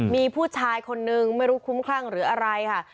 มีผู้ชายคนนึงไม่รู้คุ้มคลั่งหรืออะไรค่ะ